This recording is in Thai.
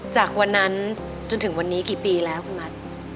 จากวันนั้นจนถึงวันนี้กี่ปีแล้วคุณมัด